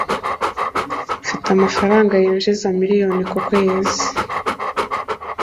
Mfite amafaranga yinjiza miliyoni ku kwezi.